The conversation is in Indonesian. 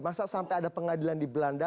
masa sampai ada pengadilan di belanda